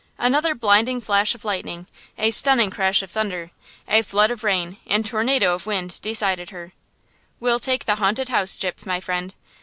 Another blinding flash of lightning, a stunning crash of thunder, a flood of rain and tornado of wind decided her. "We'll take the Haunted House, Gyp, my friend!